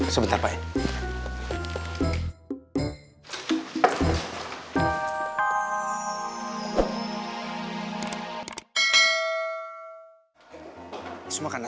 sebentar pak ya